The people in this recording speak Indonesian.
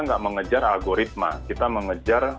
nggak mengejar algoritma kita mengejar